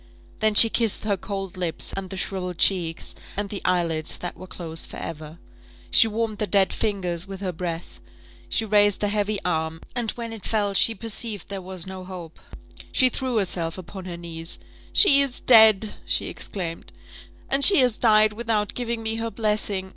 Then she kissed her cold lips, and the shrivelled cheeks, and the eyelids that were closed for ever. She warmed the dead fingers with her breath she raised the heavy arm, and when it fell she perceived there was no hope: she threw herself upon her knees: "She is dead!" she exclaimed; "and she has died without giving me her blessing!